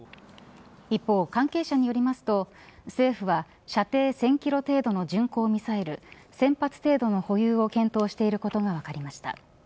一方、関係者によりますと政府は射程１０００キロ程度の巡航ミサイル１０００発程度の保有を検討していることが分かりました。